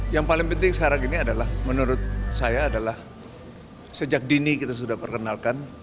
yang paling penting sekarang ini adalah menurut saya adalah sejak dini kita sudah perkenalkan